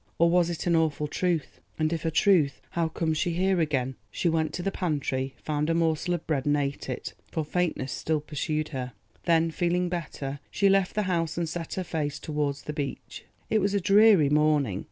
Or was it an awful truth, and if a truth, how came she here again? She went to the pantry, found a morsel of bread and ate it, for faintness still pursued her. Then feeling better, she left the house and set her face towards the beach. It was a dreary morning.